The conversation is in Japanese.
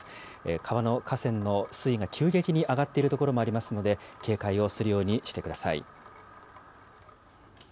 川の河川の水位が急激に上がっている所もありますので、警戒をするようにしてください。